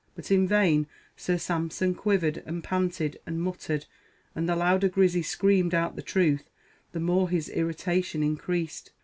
But in vain; Sir Sampson quivered, and panted, and muttered; and the louder Grizzy screamed out the truth the more his irritation increased.